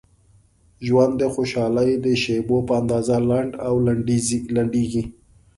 ژوند د خوشحالۍ د شیبو په اندازه لنډ او لنډیږي.